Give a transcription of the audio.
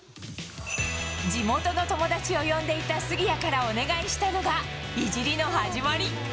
地元の友達を呼んでいた杉谷からお願いしたのが、いじりの始まり。